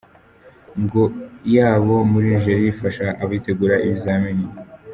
ng y’abo muri Nigeria ifasha abitegura ibizamini.